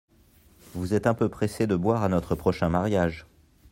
Vous êtes un peu pressé de boire à notre prochain mariage…